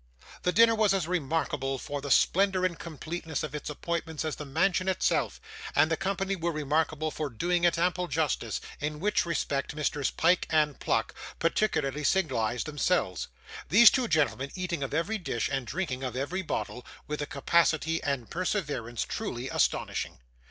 The dinner was as remarkable for the splendour and completeness of its appointments as the mansion itself, and the company were remarkable for doing it ample justice, in which respect Messrs Pyke and Pluck particularly signalised themselves; these two gentlemen eating of every dish, and drinking of every bottle, with a capacity and perseverance truly astonishing.